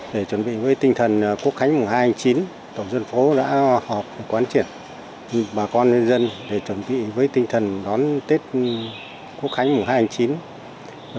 để chuẩn bị với tinh thần quốc khánh mùa hai chín tổ dân phố đã họp quán triển bà con dân dân để chuẩn bị với tinh thần đón tết quốc khánh mùa hai chín